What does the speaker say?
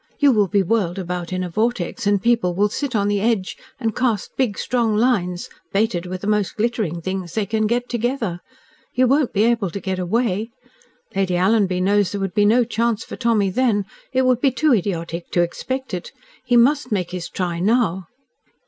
You will be whirled about in a vortex, and people will sit on the edge, and cast big strong lines, baited with the most glittering things they can get together. You won't be able to get away. Lady Alanby knows there would be no chance for Tommy then. It would be too idiotic to expect it. He must make his try now."